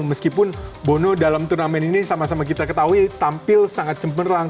meskipun bono dalam turnamen ini sama sama kita ketahui tampil sangat cemerlang